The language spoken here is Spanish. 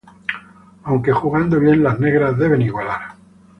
Aunque jugando bien las negras deben igualar.